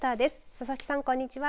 佐々木さん、こんにちは。